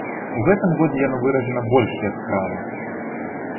У гэтым годзе яно выражана больш яскрава.